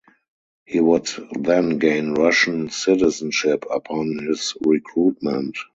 He would then gain Russian citizenship upon his recruitment.